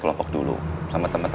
tugas kelompok dulu sama temen temennya